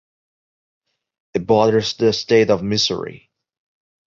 It borders the state of Missouri.